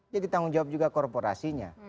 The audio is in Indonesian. jadi tanggung jawab juga korporasinya